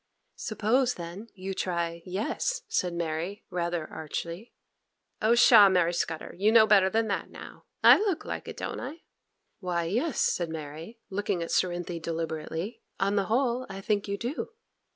'Suppose then you try "yes,"' said Mary, rather archly. 'Oh, pshaw, Mary Scudder! You know better than that now. I look like it, don't I?' 'Why, yes,' said Mary, looking at Cerinthy deliberately, 'on the whole I think you do.